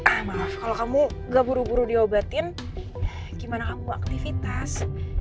ah maaf kalau kamu gak buru buru diobatin gimana kamu gak aktivitas